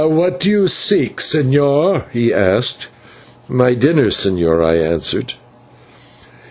"What do you seek, señor?" he asked. "My dinner, señor," I answered.